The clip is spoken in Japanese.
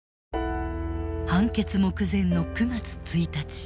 判決目前の９月１日。